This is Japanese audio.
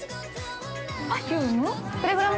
◆パフューム？